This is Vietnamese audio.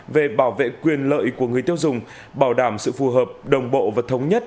về bảo vệ quyền lợi của người tiêu dùng bảo đảm sự phù hợp đồng bộ và thống nhất